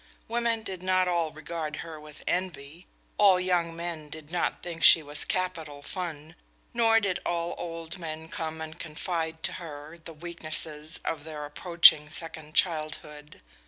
Women did not all regard her with envy, all young men did not think she was capital fun, nor did all old men come and confide to her the weaknesses of their approaching second childhood.